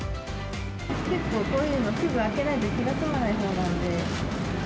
結構こういうのすぐ開けないと、気が済まないほうなので。